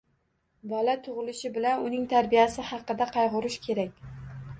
Bola tug‘ilishi bilan uning tarbiyasi haqida qayg‘urish kerak